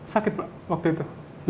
sakit pak waktu itu